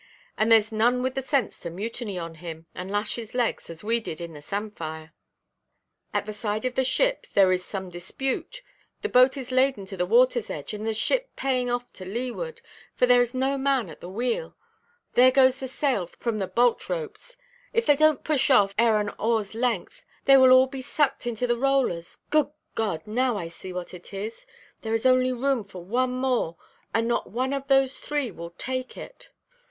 And thereʼs none with the sense to mutiny on him, and lash his legs, as we did in the Samphire." "At the side of the ship there is some dispute. The boat is laden to the waterʼs edge, and the ship paying off to leeward, for there is no man at the wheel; there goes the sail from the bolt–ropes. If they donʼt push off, ere an oarʼs length, they will all be sucked into the rollers! Good God! now I see what it is. There is only room for one more, and not one of those three will take it.